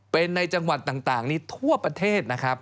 เป็นในจังหวัดต่างนี้ทั่วประเทศนะครับ